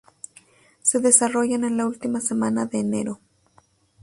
Se desarrollan en la última semana de enero.